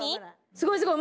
すごいすごい。